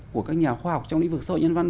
của các nhà khoa học trong lĩnh vực xã hội nhân văn